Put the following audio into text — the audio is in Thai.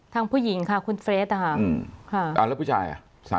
ทั้งผู้หญิงค่ะคุณเฟรดค่ะอืมค่ะอ่าแล้วผู้ชายอ่ะ